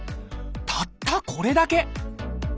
たったこれだけ！